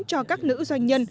cho các nữ doanh nhân